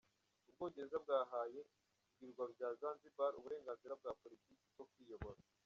Ubwongereza bwahaye ibirwa bya Zanzibar uburenganzira bwa politiki bwo kwiyobora.